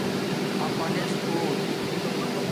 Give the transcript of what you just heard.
اپانس کوُٹ